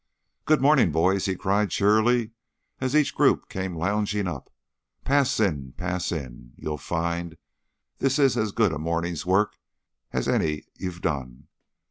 "Good morning, boys," he cried cheerily, as each group came lounging up. "Pass in; pass in. You'll find this is as good a morning's work as any you've done.